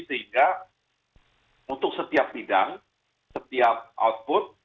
sehingga untuk setiap bidang setiap output